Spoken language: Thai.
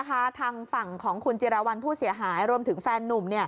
ทางฝั่งของคุณจิราวัลผู้เสียหายรวมถึงแฟนนุ่ม